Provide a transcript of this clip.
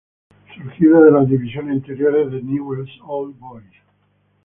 Surgido de las divisiones inferiores de Newells Old Boys.